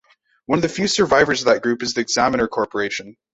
One of the few survivors of that group is The Examiner Corporation.